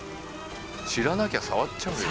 知らなきゃ触っちゃうよね。